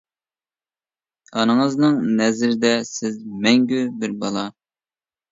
ئانىڭىزنىڭ نەزىردە سىز مەڭگۈ بىر بالا.